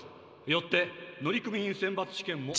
よって乗組員選抜試験も。